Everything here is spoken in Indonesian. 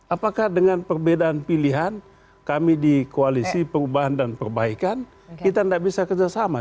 apakah dengan perbedaan pilihan kami di koalisi perubahan dan perbaikan kita tidak bisa kerjasama